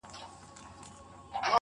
ډېر درته گورم، لږ راوگوره له عرش څخه,